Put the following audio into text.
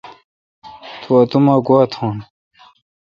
تو اتوما گوا تھون۔